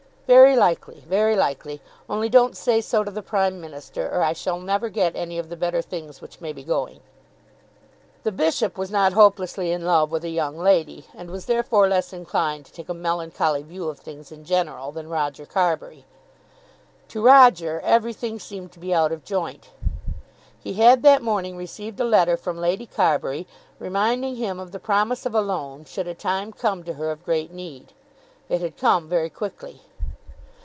"Very likely, very likely. Only don't say so to the Prime Minister, or I shall never get any of the better things which may be going." The Bishop was not hopelessly in love with a young lady, and was therefore less inclined to take a melancholy view of things in general than Roger Carbury. To Roger everything seemed to be out of joint. He had that morning received a letter from Lady Carbury, reminding him of the promise of a loan, should a time come to her of great need. It had come very quickly.